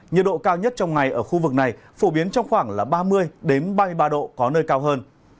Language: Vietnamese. nhiệt độ cao nhất trong ngày ở khu vực này phổ biến trong khoảng ba mươi ba mươi ba độ có nơi cao hơn